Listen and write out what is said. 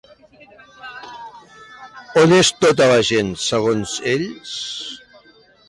On és tota la gent, segons ells?